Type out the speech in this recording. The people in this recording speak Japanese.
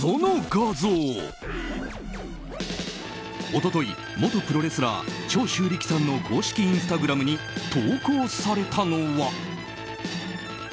一昨日元プロレスラー・長州力さんの公式インスタグラムに投稿されたのは。